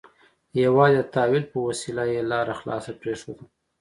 یوازې د تأویل په وسیله یې لاره خلاصه پرېښوده.